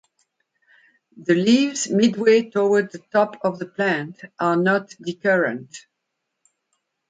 The leaves midway towards the top of the plant are not decurrent.